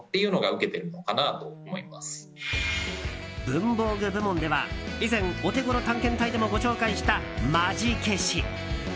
文房具部門では以前オテゴロ探検隊でもご紹介した、マ磁ケシ。